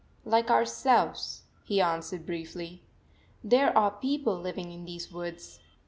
" Like ourselves," he answered briefly. " There are people living in these woods.